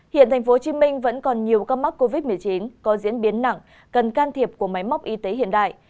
hiện tp hcm vẫn còn nhiều ca mắc covid một mươi chín có diễn biến nặng cần can thiệp của máy móc y tế hiện đại